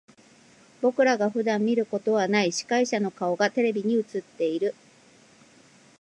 僕らが普段見ることはない司会者の顔がテレビに映っている。